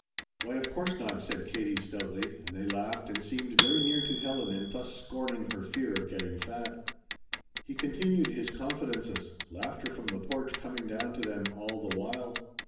"Why of course not," said Katie stoutly, and they laughed and seemed very near to Helen in thus scorning her fear of getting fat. He continued his confidences, laughter from the porch coming down to them all the while.